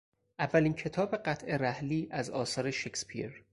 اولین کتاب قطع رحلی از آثار شکسپیر